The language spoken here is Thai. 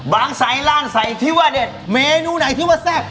ใส่ร่างใสที่ว่าเด็ดเมนูไหนที่ว่าแซ่บ